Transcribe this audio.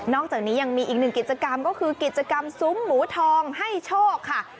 จากนี้ยังมีอีกหนึ่งกิจกรรมก็คือกิจกรรมซุ้มหมูทองให้โชคค่ะ